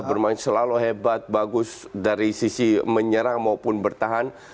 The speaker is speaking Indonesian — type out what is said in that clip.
bermain selalu hebat bagus dari sisi menyerang maupun bertahan